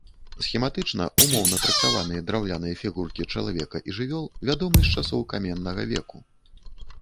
Схематычна, умоўна трактаваныя драўляныя фігуркі чалавека і жывёл вядомы з часоў каменнага веку.